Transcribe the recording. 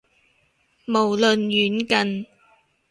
無論遠近